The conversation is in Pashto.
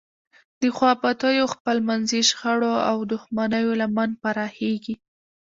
د خوابدیو، خپلمنځي شخړو او دښمنیو لمن پراخیږي.